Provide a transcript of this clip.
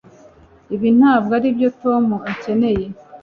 Ibi ntabwo aribyo Tom akeneye